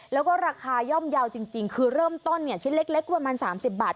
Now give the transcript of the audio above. แล้วก็ราคาย่อมเยาว์จริงคือเริ่มต้นเนี่ยชิ้นเล็กประมาณ๓๐บาท